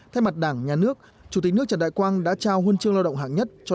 thay mặt đảng nhà nước chủ tịch nước trần đại quang đã trao huân chương lao động hạng nhất